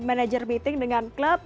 manager meeting dengan klub